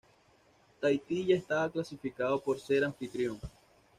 Tahití ya estaba clasificado por ser anfitrión.